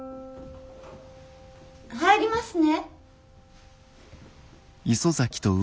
入りますね。